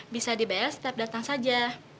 bisa dibayar setiap datang saja